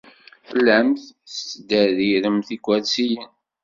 Tellamt tettderriremt ikersiyen.